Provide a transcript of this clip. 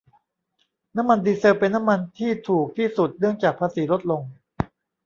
น้ำมันดีเซลเป็นน้ำมันที่ถูกที่สุดเนื่องจากภาษีลดลง